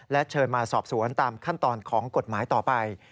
และเชิญมาสอบสวนตามขั้นตอนของกฎหมายต่อไป